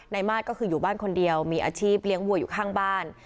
มาตรก็คืออยู่บ้านคนเดียวมีอาชีพเลี้ยงวัวอยู่ข้างบ้าน